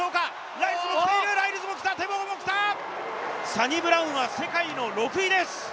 サニブラウンは世界の６位です。